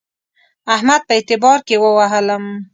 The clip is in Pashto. احمد په اعتبار کې ووهلم.